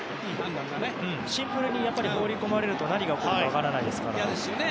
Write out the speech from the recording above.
シンプルに放り込まれると何が起こるか分からないですから嫌ですね。